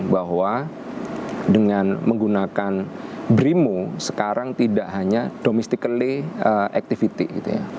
bahwa dengan menggunakan brimo sekarang tidak hanya domestically activity gitu ya